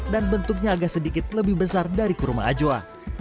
dan bentuknya agak sedikit lebih besar dari kurma ajwa